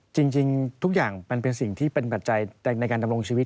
จริงทุกอย่างมันเป็นสิ่งที่เป็นปัจจัยในการดำรงชีวิต